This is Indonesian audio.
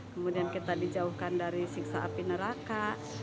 kemudian kita dijauhkan dari siksa api neraka